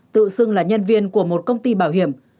tự xưng là nhân viên của một công ty bảo hiểm